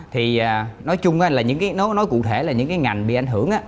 thì nói chung là những cái nói cụ thể là những cái ngành bị ảnh hưởng